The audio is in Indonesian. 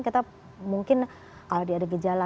kita mungkin kalau dia ada gejala